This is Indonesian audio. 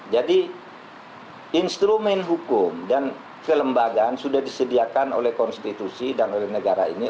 jadi instrumen hukum dan kelembagaan sudah disediakan oleh konstitusi dan oleh negara ini